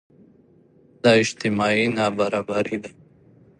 دا اجتماعي نابرابري ده.